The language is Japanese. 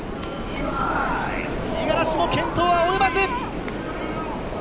五十嵐も健闘は及ばず。